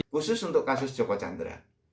khusus untuk kasus joko chandra